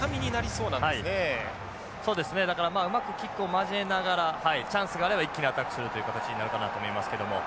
そうですねだからうまくキックを交えながらチャンスがあれば一気にアタックするという形になるかなと思いますけども。